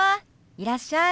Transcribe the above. いらっしゃい。